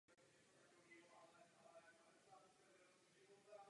Sušené květní laty se dají použít k aranžování.